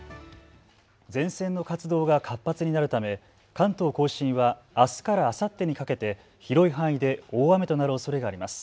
前線の活動が活発になるため関東甲信はあすからあさってにかけて広い範囲で大雨となるおそれがあります。